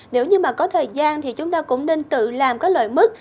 nếu như mà có thời gian thì chúng ta cũng nên tự làm các loại mức